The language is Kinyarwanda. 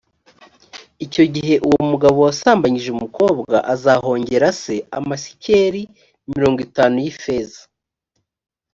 icyo gihe uwo mugabo wasambanyije umukobwa azahongera se amasikeli mirongo itanu y’ifeza